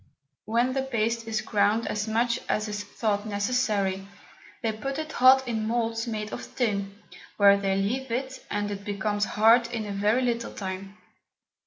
When the Paste is ground as much as is thought necessary, they put it hot in Moulds made of Tin, where they leave it, and it becomes hard in a very little time.